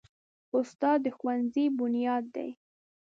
استاد د ښوونځي بنیاد دی.